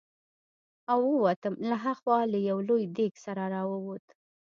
او ووتم، له ها خوا له یو لوی دېګ سره را ووت.